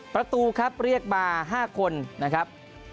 ประตูครับเรียกมา๕คนนะครับ